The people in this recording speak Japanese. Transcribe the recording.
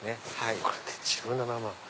これで１７万。